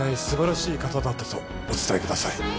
素晴らしい方だったとお伝えください